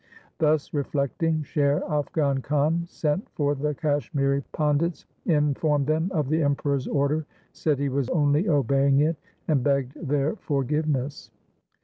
Thus reflecting, Sher Afghan Khan sent for the Kashmiri Pandits, in formed them of the Emperor's order, said he was only obeying it, and begged their forgiveness.